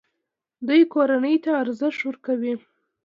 دوی کورنۍ ته ارزښت ورکوي.